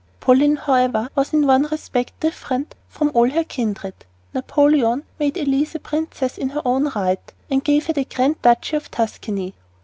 Pauline, however, was in one respect different from all her kindred. Napoleon made Elise a princess in her own right and gave her the Grand Duchy of Tuscany.